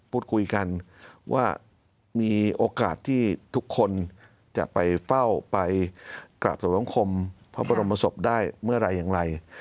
พูดคุยกันว่ามีโอกาสที่ทุกคนจะไปเฝ้าไปกราบสวงคมพระบรมศพได้เมื่อไหร่อย่างไร